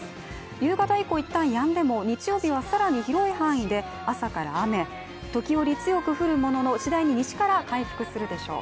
夕方以降、いったんやんでも日曜日は更に広い範囲で朝から雨、時折強く降るものの次第に西から回復するでしょう。